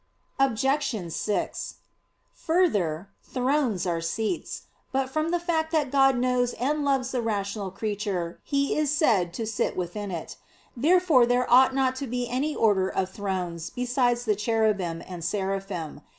Obj. 6: Further, Thrones are seats. But from the fact that God knows and loves the rational creature He is said to sit within it. Therefore there ought not to be any order of "Thrones" besides the "Cherubim" and "Seraphim."